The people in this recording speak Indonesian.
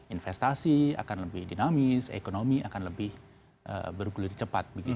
investasi akan lebih dinamis ekonomi akan lebih bergulir cepat